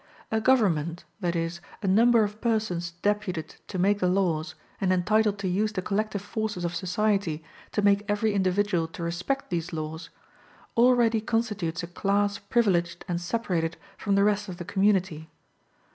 A government, that is, a number of persons deputed to make the laws, and entitled to use the collective forces of society to make every individual to respect these laws, already constitutes a class privileged and separated from the rest of the community.